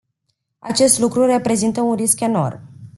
Acest lucru reprezintă un risc enorm.